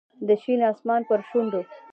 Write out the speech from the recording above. د شین اسمان پر شونډو